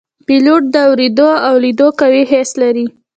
پیلوټ د اوریدو او لیدو قوي حس لري.